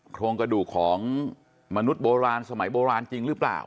โครงกระดูกของมนุษย์โบราณสมัยโบราณจริงหรือเปล่า